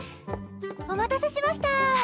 お待たせしました。